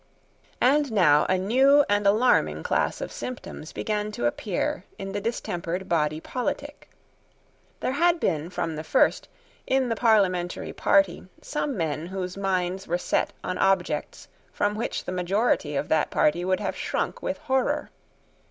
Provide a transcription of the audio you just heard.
And now a new and alarming class of symptoms began to appear in the distempered body politic. There had been, from the first, in the parliamentary party, some men whose minds were set on objects from which the majority of that party would have shrunk with horror.